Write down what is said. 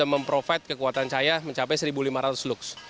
memprovide kekuatan saya mencapai seribu lima ratus lux